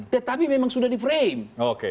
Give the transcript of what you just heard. tetapi memang sudah di frame